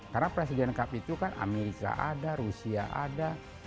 karena presiden kap itu kan amerika ada rusia ada